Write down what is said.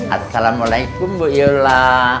assalamualaikum bu iola